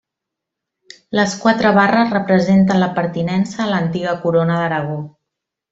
Les quatre barres representen la pertinença a l'antiga Corona d'Aragó.